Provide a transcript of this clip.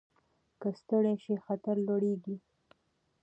که ستړي شئ خطر لوړېږي.